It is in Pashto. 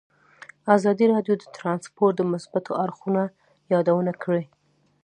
ازادي راډیو د ترانسپورټ د مثبتو اړخونو یادونه کړې.